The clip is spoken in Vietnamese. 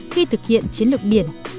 khi thực hiện chiến lược biển